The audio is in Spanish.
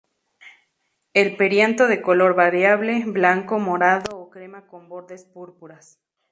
El perianto de color variable, blanco, morado o crema con bordes púrpuras.